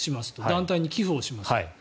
団体に寄付をしますと。